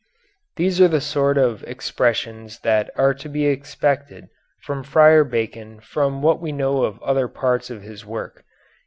These are the sort of expressions that are to be expected from Friar Bacon from what we know of other parts of his work.